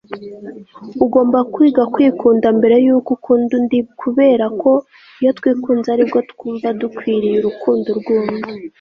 ugomba kwiga kwikunda mbere yuko ukunda undi kubera ko iyo twikunze ari bwo twumva dukwiriye urukundo rw'undi